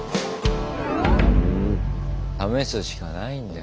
試すしかないんだよ。